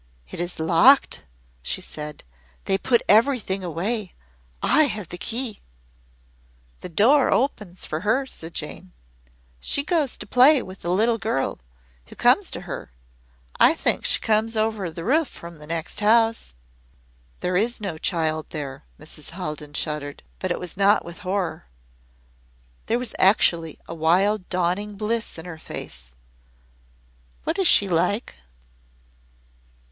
"It is locked!" she said. "They put everything away. I have the key." "The door opens for her," said Jane. "She goes to play with a little girl who comes to her. I think she comes over the roof from the next house." "There is no child there!" Mrs. Haldon shuddered. But it was not with horror. There was actually a wild dawning bliss in her face. "What is she like?"